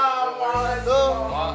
ah walaikum salam